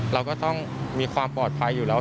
เราก็ต้องมีความปลอดภัยอยู่แล้ว